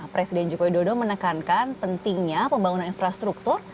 presiden joko widodo menekankan pentingnya pembangunan infrastruktur